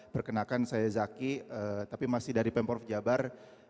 perkenalkan saya zaky tapi masih dari pemprov jabar